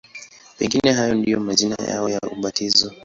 Pengine hayo ndiyo majina yao ya ubatizo.